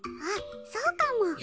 あっそうかも。